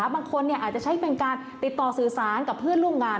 บางคนอาจจะใช้เป็นการติดต่อสื่อสารกับเพื่อนร่วมงาน